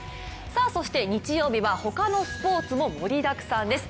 そして、日曜日は他のスポーツも盛りだくさんです。